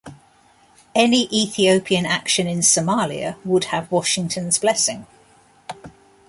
Any Ethiopian action in Somalia would have Washington's blessing.